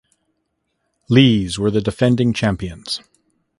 Lees were the defending champions.